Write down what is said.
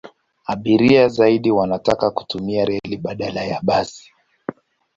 Abiria zaidi wanataka kutumia reli badala ya basi.